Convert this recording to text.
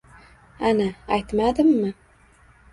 Ana, aytmadimmi?!